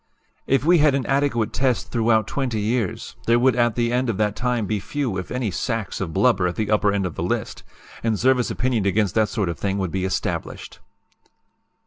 "If we had an adequate test throughout 20 years, there would at the end of that time be few if any sacks of blubber at the upper end of the list; and service opinion against that sort of thing would be established."